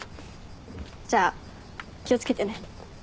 じゃあ気を付けてね。